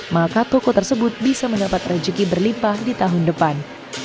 maka toko tersebut bisa mendapat rejeki berlimpah di tahun depan